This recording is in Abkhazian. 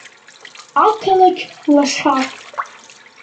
Ақалақь лаша…